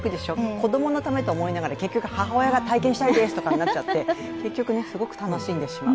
子供のためと思いながら結局母親が「体験したいです！」ってなっちゃって結局すごく楽しんでしまう。